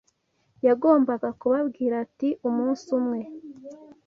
Yagombaga kubabwira ati ‘umunsi umwe